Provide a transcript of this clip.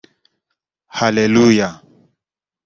Haleluya